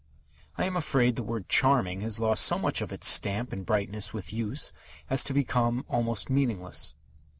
I am afraid the word "charming" has lost so much of its stamp and brightness with use as to have become almost meaningless.